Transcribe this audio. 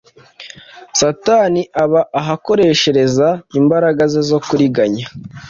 Satani aba ahakoreshareza imbaraga ze zo kuriganya.